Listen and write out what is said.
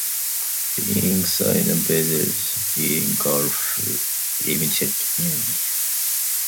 Being so involved in golf limited me.